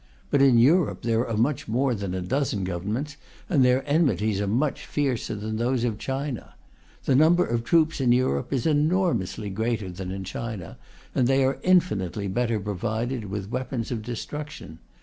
But in Europe there are much more than a dozen Governments, and their enmities are much fiercer than those of China. The number of troops in Europe is enormously greater than in China, and they are infinitely better provided with weapons of destruction.